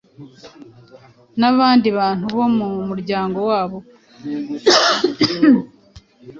nabandi bantu bo mu muryango wabo,